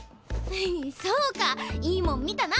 そうかいいもん見たな！